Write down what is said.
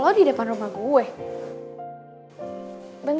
oh di depan rumah gue